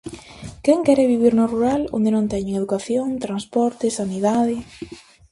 Quen quere vivir no rural onde non teña educación, transporte, sanidade...?